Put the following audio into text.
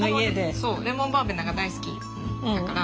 そうレモンバーベナが大好きやから。